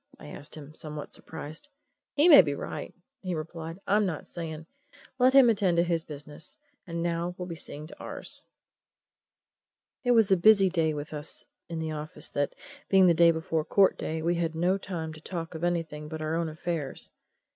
I asked him, somewhat surprised. "He may be right," he replied. "I'm not saying. Let him attend to his business and now we'll be seeing to ours." It was a busy day with us in the office that, being the day before court day, and we had no time to talk of anything but our own affairs.